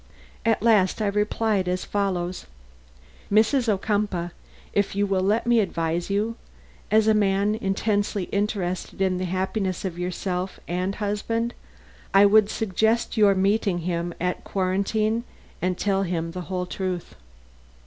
At last, I replied as follows: "Mrs. Ocumpaugh, if you will let me advise you, as a man intensely interested in the happiness of yourself and husband, I would suggest your meeting him at quarantine and telling him the whole truth."